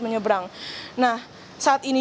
menyeberang nah saat ini